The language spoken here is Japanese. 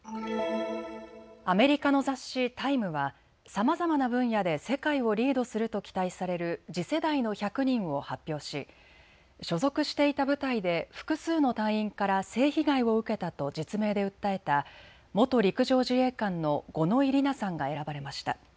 アメリカの雑誌、タイムはさまざまな分野で世界をリードすると期待される次世代の１００人を発表し所属していた部隊で複数の隊員から性被害を受けたと実名で訴えた元陸上自衛官の五ノ井里奈さんが選ばれました。